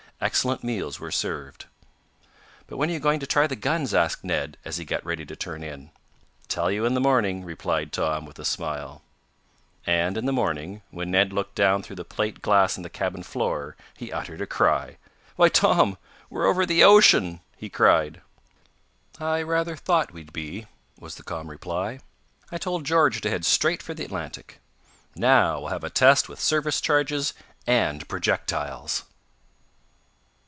Excellent meals were served. "But when are you going to try the guns?" asked Ned, as he got ready to turn in. "Tell you in the morning," replied Tom, with a smile. And, in the morning, when Ned looked down through the plate glass in the cabin floor, he uttered a cry. "Why, Tom! We're over the ocean!" he cried. "I rather thought we'd be," was the calm reply. "I told George to head straight for the Atlantic. Now we'll have a test with service charges and projectiles!"